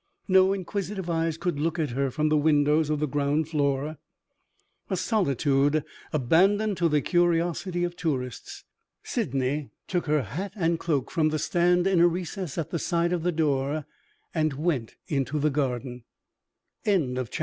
No inquisitive eyes could look at her from the windows of the ground floor a solitude abandoned to the curiosity of tourists. Sydney took her hat and cloak from the stand in a recess at the side of the door, and went into the garden. Chapter VIII. Mrs.